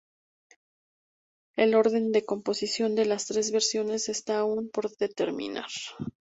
El orden de composición de las tres versiones está aún por determinar.